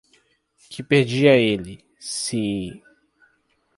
Que perdia ele, se...